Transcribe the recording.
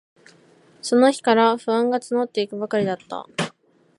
その日から、不安がつのっていくばかりだった。